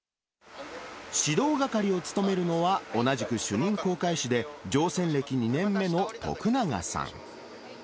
指導係を務めるのは、同じく主任航海士で乗船歴２年目の徳永さん。